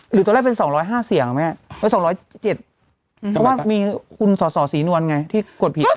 หรือตอนแรกเป็น๒๐๕เสียงแม่๒๐๗เพราะว่ามีคุณสสศรีนวลไงที่กดผิด